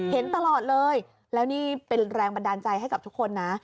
เห็นตลอดเลยแล้วนี่เป็นแรงบันดาลใจให้กับทุกคนนะ